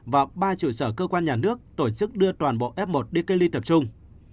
và ba trụ sở cơ quan nhà nước tổ chức đưa toàn bộ f một đi cách ly tập trung